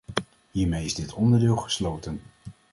Hiermee is dit onderdeel gesloten.